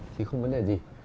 thì không vấn đề gì